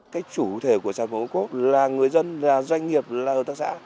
cách chủ thể của sản phẩm ô cốp là người dân doanh nghiệp hợp tác xã